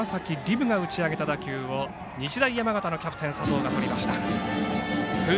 夢が打ち上げた打球を日大山形のキャプテン佐藤がとりました。